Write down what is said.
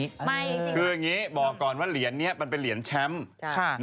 ไม่เลยคืออย่างนี้บอกก่อนว่าเหรียญนี้มันเป็นเหรียญแชมป์